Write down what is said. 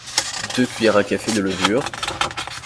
deux cuillères à café de levure